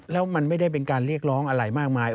แล้วมันไม่ได้เป็นการเรียกร้องอะไรมากมาย